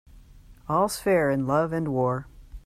All's fair in love and war.